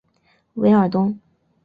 韦尔东。